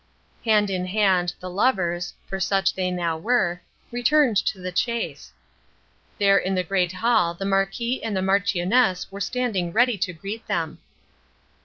Hand in hand the lovers, for such they now were, returned to the Chase. There in the great hall the Marquis and the Marchioness were standing ready to greet them.